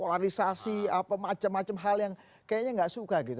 ada apa macem hal yang kayaknya gak suka